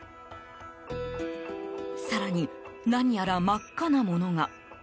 更に、何やら真っ赤なものが。